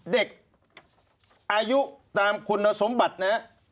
เด็กอายุตามคุณสมบัตินะ